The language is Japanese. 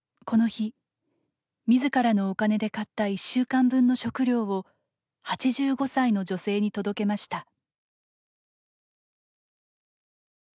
この日、みずからのお金で買った１週間分の食料を８５歳の女性に届けました。